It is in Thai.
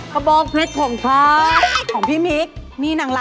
ผ้าบองเพล็ดของฮะ